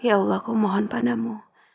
ya allah ku mohon padamu